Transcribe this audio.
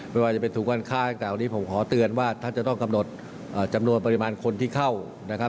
ไม่ว่าจะเป็นทุกวันค่าต่างวันนี้ผมขอเตือนว่าท่านจะต้องกำหนดจำนวนปริมาณคนที่เข้านะครับ